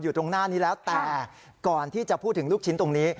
ตรงหน้านี้แล้วแต่ก่อนที่จะพูดถึงลูกชิ้นตรงนี้